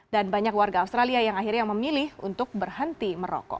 dan banyak warga australia yang akhirnya memilih untuk berhenti merokok